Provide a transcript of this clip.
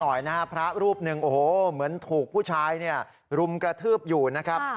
หน่อยนะฮะพระรูปหนึ่งโอ้โหเหมือนถูกผู้ชายเนี่ยรุมกระทืบอยู่นะครับ